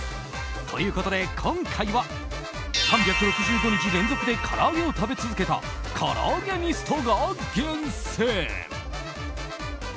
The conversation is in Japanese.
ということで、今回は３６５日連続で唐揚げを食べ続けたカラアゲニストが厳選！